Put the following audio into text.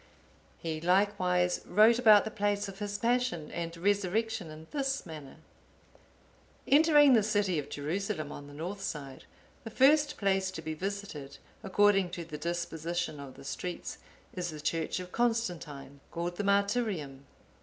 He likewise wrote about the place of His Passion and Resurrection in this manner: "Entering the city of Jerusalem on the north side, the first place to be visited, according to the disposition of the streets, is the church of Constantine, called the Martyrium.